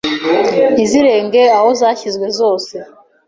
ntizirenge aho zashyizwe zose